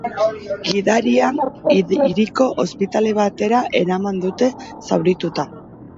Gidaria hiriko ospitale batera eraman dute, zaurituta.